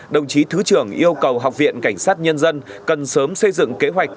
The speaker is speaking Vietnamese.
đồng chí thứ trưởng yêu cầu học viện cảnh sát nhân dân cần sớm xây dựng kế hoạch